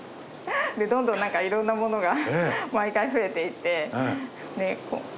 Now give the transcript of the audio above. でどんどんいろんなものが毎回増えていって。